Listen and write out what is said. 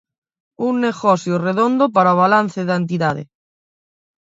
Un negocio redondo para o balance da entidade.